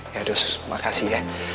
ya dos makasih ya